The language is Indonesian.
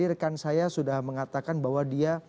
rekan saya sudah mengatakan bahwa dia